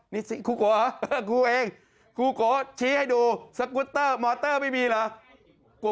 นี่สิครูโกะเหรอครูเองครูโกะชี้ให้ดูสกุตเตอร์มอเตอร์ไม่มีเหรอ